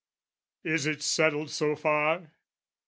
Is it settled so far?